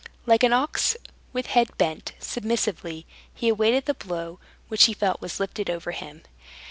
Like an ox with head bent, submissively he awaited the blow which he felt was lifted over him.